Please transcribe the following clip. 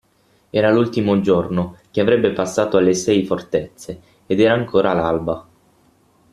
Era l'ultimo giorno che avrebbe passato alle Sei Fortezze, ed era ancora l'alba.